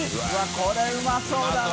これうまそうだな。